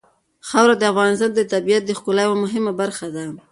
خاوره د افغانستان د طبیعت د ښکلا یوه مهمه برخه ده.